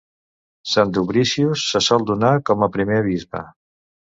Sant Dubricius se sol donar com a primer bisbe.